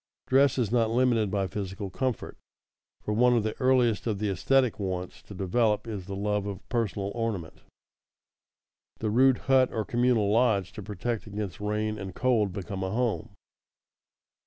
Dress is not limited by physical comfort, for one of the earliest of the esthetic wants to develop is the love of personal ornament. The rude hut or communal lodge to protect against rain and cold becomes a home.